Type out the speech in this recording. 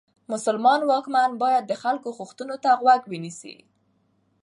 مسلمان واکمن باید د خلکو غوښتنو ته غوږ ونیسي.